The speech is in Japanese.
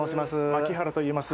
牧原といいます。